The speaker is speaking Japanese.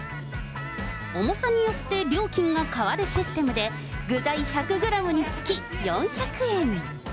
重さによって料金が変わるシステムで、具材１００グラムにつき４００円。